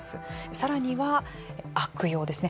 さらには悪用ですね。